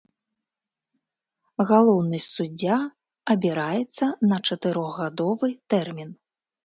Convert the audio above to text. Галоўны суддзя абіраецца на чатырохгадовы тэрмін.